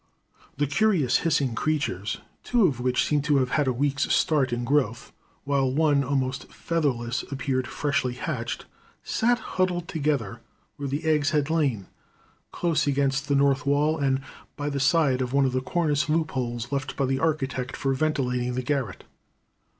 The curious hissing creatures, two of which seemed to have had a week's start in growth, while one almost feather less appeared freshly hatched, sat huddled together where the eggs had lain, close against the north wall and by the side of one of the cornice loop holes left by the architect for ventilating the garret.